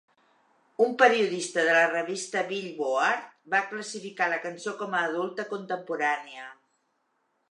Un periodista de la revista "Billboard" va classificar la cançó com a adulta contemporània.